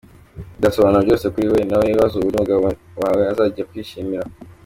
ibi bizasobanura byose kuri we, nawe ibaze uburyo umugabo wawe azajya akwishimira.